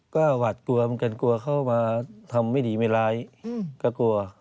ก็หวัดกลัวเหมือนกันกลัวเข้ามาทำไม่ดีไม่ร้ายก็กลัว